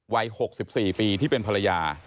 วัย๖๔ปีที่เป็นภรรยา